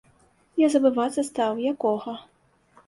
Я забывацца стаў, якога.